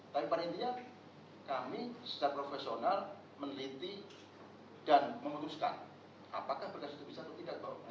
tapi pada intinya kami setiap profesional meneliti dan memutuskan apakah berkesan itu bisa atau tidak di bawah kepentilan